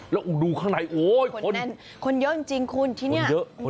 แล้วดูข้างในคนเยอะจริงคุณที่นี่